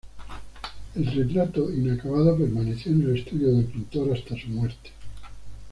El retrato inacabado permaneció en el estudio del pintor hasta su muerte.